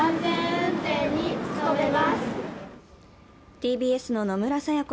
ＴＢＳの野村彩也子